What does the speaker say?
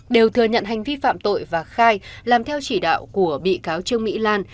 đều thừa nhận hành vi phạm tội và khai làm theo chỉ đạo của bị cáo trương mỹ lan